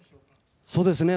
そうですね。